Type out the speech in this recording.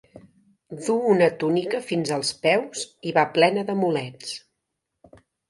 Du una túnica fins als peus i va plena d'amulets.